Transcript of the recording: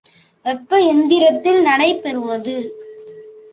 வெப்ப எந்திரத்தில் நடைபெறுவது.